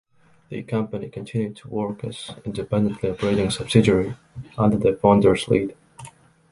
The company continued to work as independently operating subsidiary under the founder’s lead.